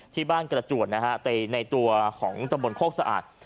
ที่บ้านกระจวนนะฮะในตัวของตำบลโคกสะอาด